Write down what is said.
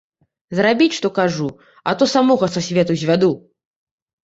Зрабіць, што кажу, а то самога са свету звяду.